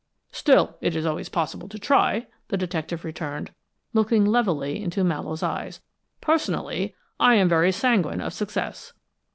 "Still, it is always possible to try," the detective returned, looking levelly into Mallowe's eyes. "Personally, I am very sanguine of success."